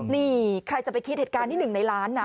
นี่ใครจะไปคิดเหตุการณ์ที่๑ในล้านนะ